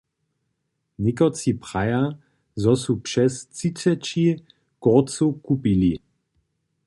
Někotři praja, zo su přez třiceći kórcow kupili.